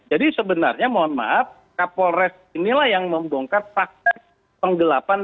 jadi sebenarnya mohon maaf kapolres inilah yang membongkar praktek penggelapan